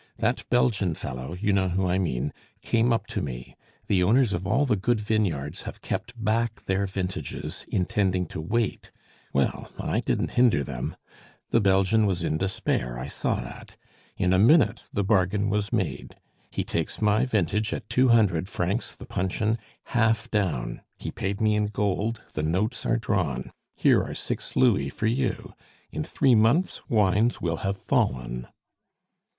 That Belgian fellow you know who I mean came up to me. The owners of all the good vineyards have kept back their vintages, intending to wait; well, I didn't hinder them. The Belgian was in despair; I saw that. In a minute the bargain was made. He takes my vintage at two hundred francs the puncheon, half down. He paid me in gold; the notes are drawn. Here are six louis for you. In three months wines will have fallen."